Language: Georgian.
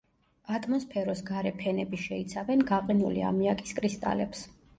ატმოსფეროს გარე ფენები შეიცავენ გაყინული ამიაკის კრისტალებს.